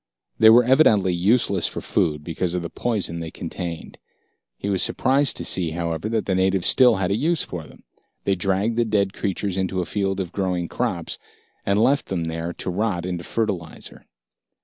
They were evidently useless for food because of the poison they contained. He was surprised to see, however, that the natives still had a use for them. They dragged the dead creatures into a field of growing crops, and left them there to rot into fertilizer.